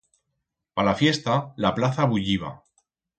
Pa la fiesta, la plaza bulliba.